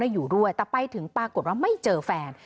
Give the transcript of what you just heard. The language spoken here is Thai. อยู่ด้วยแต่ไปถึงปรากฏว่าไม่เจอแฟน